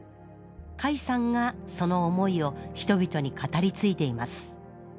甲斐さんがその思いを人々に語り継いでいます。